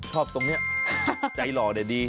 ชอบตรงนี้ใจหล่อดัโดยดี